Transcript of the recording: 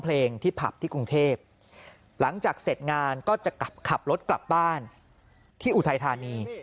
เพลงที่ผับที่กรุงเทพหลังจากเสร็จงานก็จะกลับขับรถกลับบ้านที่อุทัยธานี